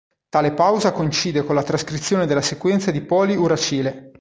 Tale pausa coincide con la trascrizione della sequenza di poli-uracile.